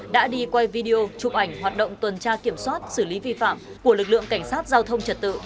đã đi quay video chụp ảnh hoạt động tuần tra kiểm soát xử lý vi phạm của lực lượng cảnh sát giao thông trật tự